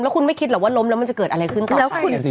แล้วคุณไม่คิดหรอกว่าล้มแล้วมันจะเกิดอะไรขึ้นต่อไป